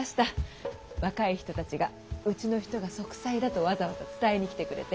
若い人たちがうちの人が息災だとわざわざ伝えに来てくれて。